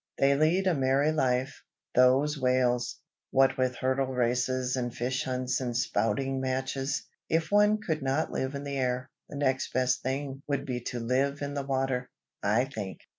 They lead a merry life, those whales; what with hurdle races and fish hunts and spouting matches. If one could not live in the air, the next best thing would be to live in the water, I think.